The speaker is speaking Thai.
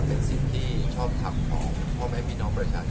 เป็นสิ่งที่ชอบทำของพ่อแม่พี่น้องประชาชน